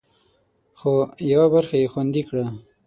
خو، یوه برخه یې خوندي کړه